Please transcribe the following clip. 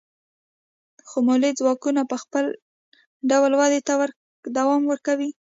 خو مؤلده ځواکونه په خپل ډول ودې ته دوام ورکوي.